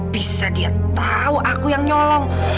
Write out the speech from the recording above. bisa dia tahu aku yang nyolong